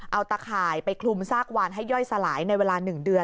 เอาตะข่ายไปคลุมซากวานให้ย่อยสลายในเวลา๑เดือน